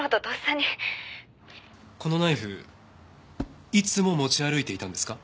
このナイフいつも持ち歩いていたんですか？